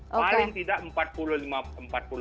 paling tidak empat tahun